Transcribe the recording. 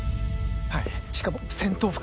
はいしかも戦闘服